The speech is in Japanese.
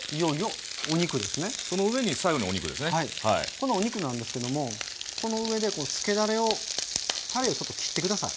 このお肉なんですけどもこの上でつけだれをたれをちょっときって下さい。